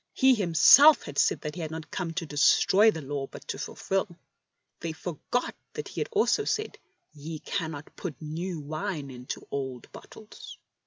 He Himself had said that He had come not to destroy the Law but to fulfil. They forgot that He had also said: " Ye cannot put new wine into old bottles."